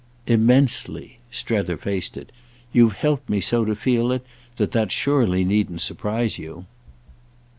"Immensely." Strether faced it. "You've helped me so to feel it that that surely needn't surprise you."